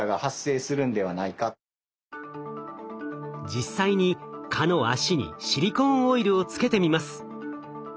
実際に蚊の脚にシリコーンオイルをつけてみます。